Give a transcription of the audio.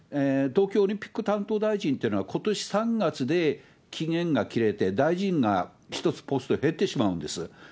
東京オリンピック担当というのはことし３月で期限が切れて、大臣が１つポスト減ってしまうんです。